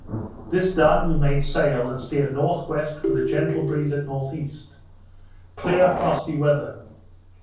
This done, we made sail, and steered N.W. with a gentle breeze at N.E., clear frosty weather.